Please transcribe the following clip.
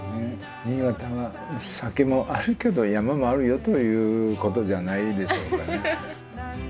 新潟は酒もあるけど山もあるよということじゃないでしょうかね。